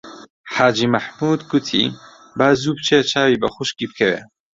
حاجی مەحموود گوتی: با زوو بچێ چاوی بە خوشکی بکەوێ